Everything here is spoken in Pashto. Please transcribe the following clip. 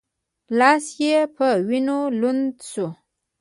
لاس یې په وینو لند شو.